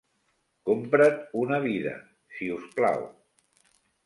Compra't una vida, si us plau.